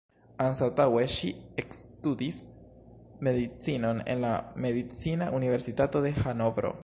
Anstataŭe ŝi ekstudis medicinon en la Medicina Universitato de Hanovro.